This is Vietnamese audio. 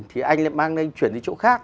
thì anh lại mang anh chuyển đi chỗ khác